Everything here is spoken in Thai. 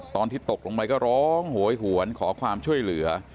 ตอนที่ตกลงไปก็ร้องโหยหวนขอความช่วยเหลือ